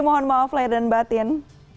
mohon maaf lahir dan batin